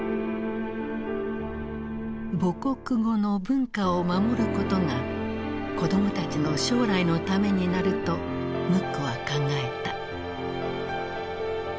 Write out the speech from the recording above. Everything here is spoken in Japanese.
母国語の文化を守ることが子供たちの将来のためになるとムックは考えた。